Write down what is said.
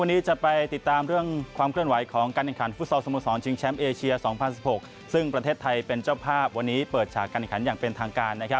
นี้เปิดฉากการยังเป็นทางการ